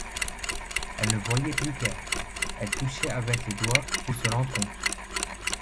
Elle ne voyait plus clair, elle touchait avec les doigts, pour se rendre compte.